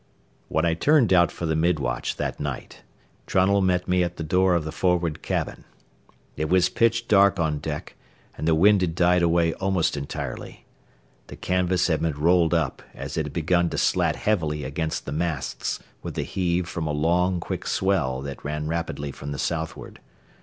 V When I turned out for the mid watch that night, Trunnell met me at the door of the forward cabin. It was pitch dark on deck, and the wind had died away almost entirely. The canvas had been rolled up, as it had begun to slat heavily against the masts with the heave from a long, quick swell that ran rapidly from the southward.